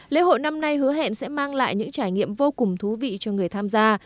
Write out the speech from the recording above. lễ hội năm nay hứa hẹn sẽ mang lại những trải nghiệm vô cùng thú vị cho người tham gia